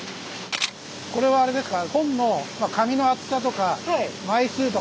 これはあれですか？